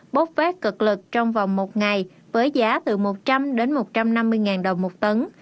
bốc vác cực lực trong vòng một ngày với giá từ một trăm linh đến một trăm năm mươi ngàn đồng một tấn